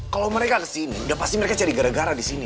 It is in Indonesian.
kalau mereka kesini udah pasti mereka cari gara gara di sini